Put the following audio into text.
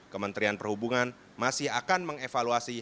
kementerian perhubungan masih akan mengevaluasi